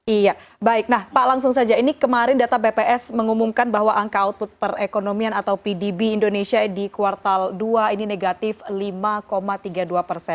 iya baik nah pak langsung saja ini kemarin data bps mengumumkan bahwa angka output perekonomian atau pdb indonesia di kuartal dua ini negatif lima tiga puluh dua persen